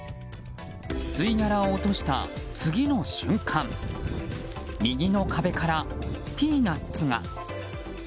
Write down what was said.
吸い殻を落とした次の瞬間右の壁からピーナツが。